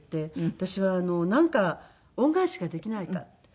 私はなんか恩返しができないかって。